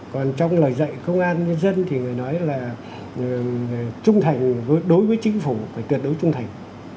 còn trong lời dạy công an nhân dân thì người nói là đối với chính phủ phải tuyệt đối trung thành